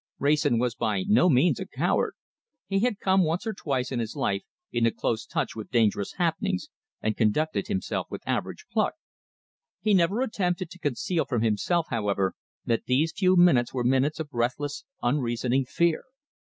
Wrayson was by no means a coward. He had come once or twice in his life into close touch with dangerous happenings, and conducted himself with average pluck. He never attempted to conceal from himself, however, that these few minutes were minutes of breathless, unreasoning fear.